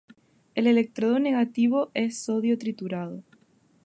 El electrodo negativo es sodio triturado.